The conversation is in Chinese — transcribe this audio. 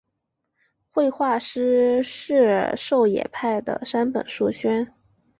绘画师事狩野派的山本素轩。